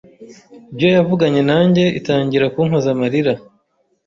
ibyo yavuganye nanjye itangira kumpoza amarira